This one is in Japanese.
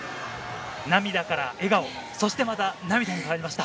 涙から笑顔、そしてまた涙に変わりました。